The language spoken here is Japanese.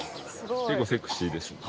結構セクシーですね。